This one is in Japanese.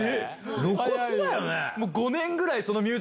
露骨だよね。